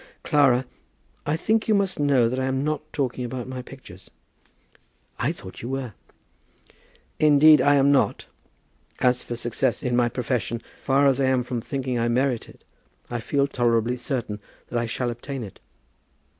Clara, I think you must know that I am not talking about my pictures." "I thought you were." "Indeed I am not. As for success in my profession, far as I am from thinking I merit it, I feel tolerably certain that I shall obtain it."